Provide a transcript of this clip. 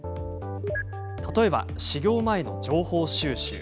例えば、始業前の情報収集。